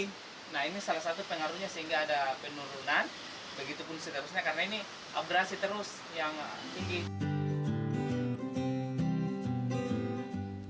nah ini salah satu pengaruhnya sehingga ada penurunan begitu pun seterusnya karena ini abrasi terus yang tinggi